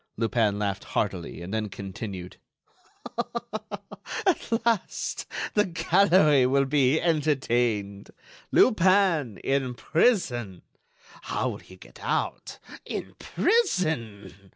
Lupin laughed heartily and then continued: "At last the gallery will be entertained! Lupin in prison! How will he get out? In prison!...